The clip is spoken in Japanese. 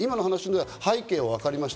背景は分かりました。